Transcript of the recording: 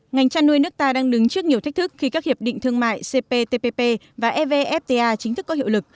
ngành chăn nuôi nước ta đang đứng trước nhiều thách thức khi các hiệp định thương mại cptpp và evfta chính thức có hiệu lực